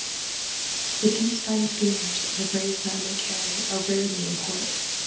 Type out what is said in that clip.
] But these fine schooners and the brave men they carry are rarely in port.